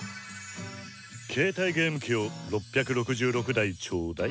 携帯ゲーム機を６６６台ちょうだい！